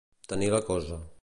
Tenir la cosa.